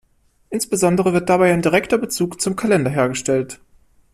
Insbesondere wird dabei ein direkter Bezug zum Kalender hergestellt.